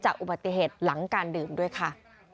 อุบัติเหตุหลังการดื่มด้วยค่ะ